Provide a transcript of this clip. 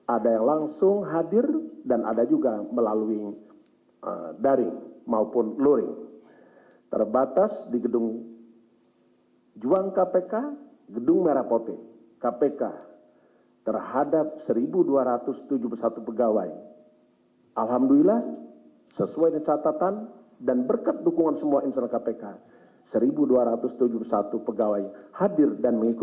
ada yang langsung hadir dan ada juga melalui daring maupun luring